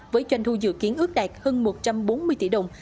với doanh thu dự kiến ước đạt hơn một trăm bốn mươi tỷ đồng